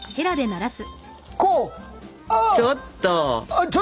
ちょっと！